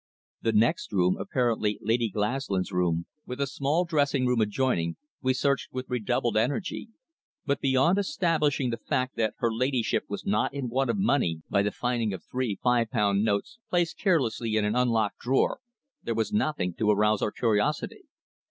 The next room, apparently Lady Glaslyn's room, with a small dressing room adjoining, we searched with redoubled energy, but beyond establishing the fact that her ladyship was not in want of money by the finding of three five pound notes placed carelessly in an unlocked drawer, there was nothing to arouse our curiosity.